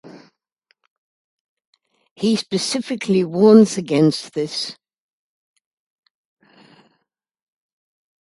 He specifically warns against this.